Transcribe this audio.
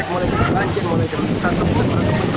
mulai terbanjir mulai terbuka